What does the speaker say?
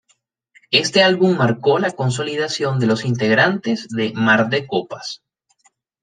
Este álbum marcó la consolidación de los integrantes de Mar de Copas.